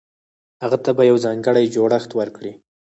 هغه ته به يو ځانګړی جوړښت ورکړي.